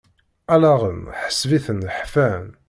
Allaɣen ḥseb-iten ḥfan.